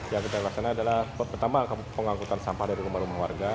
yang kita laksana adalah pertama pengangkutan sampah dari rumah rumah warga